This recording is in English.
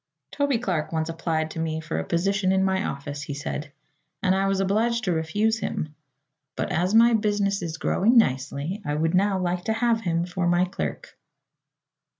"Toby Clark once applied to me for a position in my office," he said, "and I was obliged to refuse him. But as my business is growing nicely I would now like to have him for my clerk."